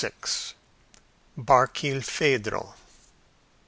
BARKILPHEDRO.